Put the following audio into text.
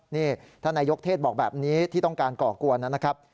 นี่ท่านนายกเทศบอกแบบนี้ที่ต้องการก่อกวนนะครับ